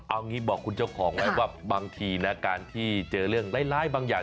เอางี้บอกคุณเจ้าของไว้ว่าบางทีนะการที่เจอเรื่องร้ายบางอย่าง